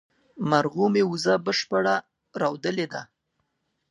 مرغومي، وزه بشپړه رودلې ده